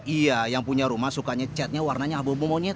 iya yang punya rumah sukanya catnya warnanya abu abu monyet